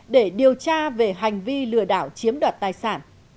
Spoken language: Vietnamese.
để điều tra về hành vi lừa đảo chiếm đoạt tài sản